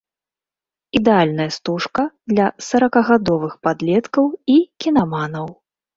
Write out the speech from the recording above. Ідэальная стужка для саракагадовых падлеткаў і кінаманаў.